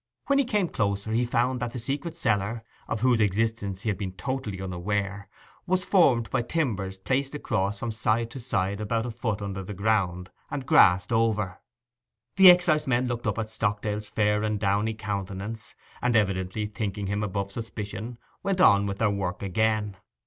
When he came closer he found that the secret cellar, of whose existence he had been totally unaware, was formed by timbers placed across from side to side about a foot under the ground, and grassed over. The excisemen looked up at Stockdale's fair and downy countenance, and evidently thinking him above suspicion, went on with their work again.